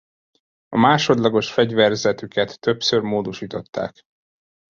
A másodlagos fegyverzetüket többször módosították.